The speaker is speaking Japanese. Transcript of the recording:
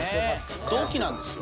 同期なんですよ。